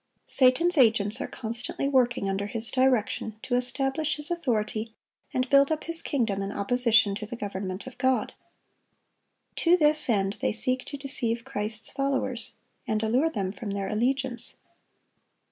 (892) Satan's agents are constantly working under his direction to establish his authority and build up his kingdom in opposition to the government of God. To this end they seek to deceive Christ's followers, and allure them from their allegiance.